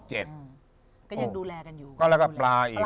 ก็ยังดูแลกันอยู่